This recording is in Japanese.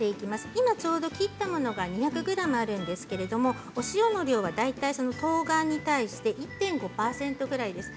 今ちょうど切ったものが２００ｇあるんですけれどもお塩の量はとうがんに対して１．５％くらいです。